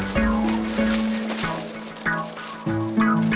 terus berani mas aku lagi